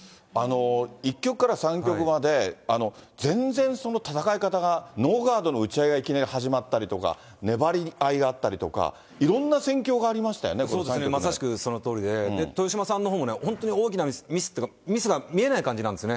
１局から３局まで、全然戦い方がノーガードの打ち合いがいきなり始まったりとか、粘り合いがあったりとか、まさしくそのとおりで、豊島さんのほうもね、本当に大きなミス、ミスっていうか、ミスが見えない感じなんですね。